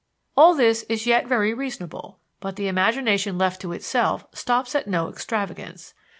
All this is yet very reasonable; but the imagination left to itself stops at no extravagance.